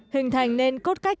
hình thành nên cốt cách